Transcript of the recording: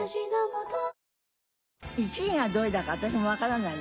１位がどれだか私もわからないの。